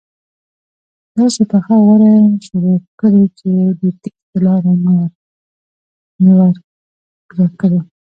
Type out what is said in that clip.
داسې پخه غوره شروع کړي چې د تېښتې لاره مې ورکه کړي.